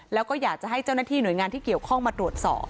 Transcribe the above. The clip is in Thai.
แล้วก็อยากจะให้เจ้าหน้าที่หน่วยงานที่เกี่ยวข้องมาตรวจสอบ